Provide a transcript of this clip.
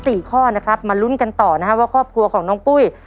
สี่ข้อนะครับมาลุ้นกันต่อนะครับว่าครอบครัวของน้องปุ้ย